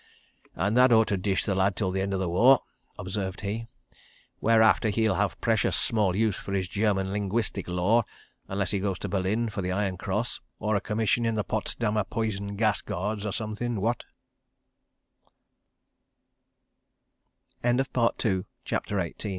"And that ought to dish the lad till the end of the war," observed he, "whereafter he'll have precious small use for his German linguistic lore—unless he goes to Berlin for the Iron Cross or a Commission in the Potsdammer Poison Gas Guards, or somethin', what?" CHAPTER XIX _Of a Pud